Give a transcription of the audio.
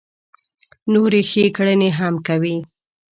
نورې ښې کړنې هم کوي.